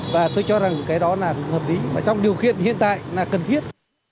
và tôi cho rằng cái đó là hợp lý và trong điều kiện hiện tại là cần thiết